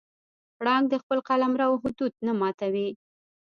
پړانګ د خپل قلمرو حدود نه ماتوي.